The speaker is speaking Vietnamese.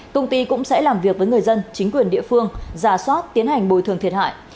công ty cũng sẽ làm việc với người dân chính quyền địa phương giả soát tiến hành bồi thường thiệt hại